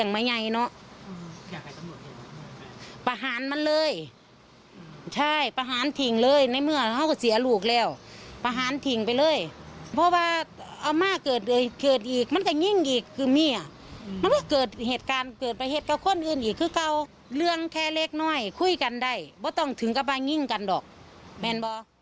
ไม่ต้องถึงกลับมายิ่งกันหรอกแม่นหรือ